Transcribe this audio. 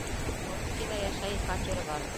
Омскиҙа йәшәй, фатиры бар.